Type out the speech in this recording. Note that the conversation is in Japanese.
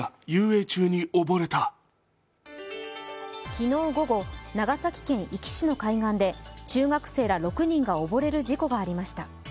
昨日午後、長崎県壱岐市の海岸で中学生ら６人が溺れる事故がありました。